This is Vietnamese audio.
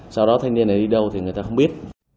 sau đó thanh niên này đâu thì người ta không biết